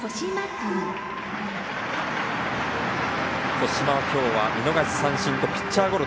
後間は今日は見逃し三振とピッチャーゴロ。